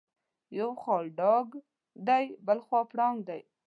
یو خوا ډاګ دی بلخوا پړانګ دی.